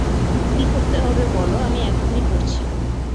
কী করতে হবে বলো, আমি এখনই করছি।